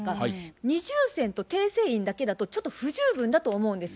二重線と訂正印だけだとちょっと不十分だと思うんです。